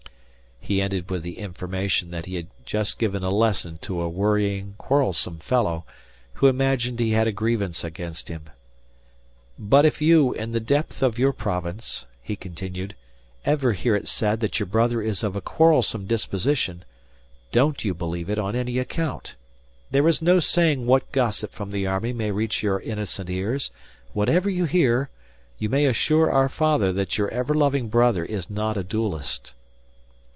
He ended with the information that he had just given a lesson to a worrying, quarrelsome fellow, who imagined he had a grievance against him. "But if you, in the depth of your province," he continued, "ever hear it said that your brother is of a quarrelsome disposition, don't you believe it on any account. There is no saying what gossip from the army may reach your innocent ears; whatever you hear, you may assure our father that your ever loving brother is not a duellist."